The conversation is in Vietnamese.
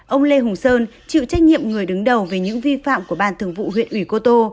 ông lê hùng sơn chịu trách nhiệm người đứng đầu về những vi phạm của ban thường vụ huyện ủy cô tô